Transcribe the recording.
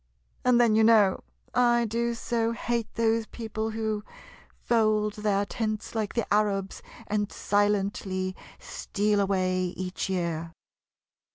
And then, you know — I do so hate those people who " fold their tents like the Arabs and silently steal away " each year.